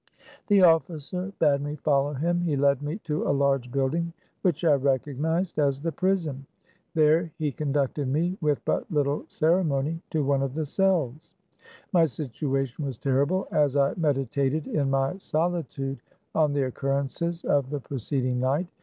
The officer bade me follow him. He led me to a large building which I recognized as the prison. There he conducted me with but little ceremony, to one of the cells. My situation was terrible as I meditated in my solitude on the occurrences of the preced ing night.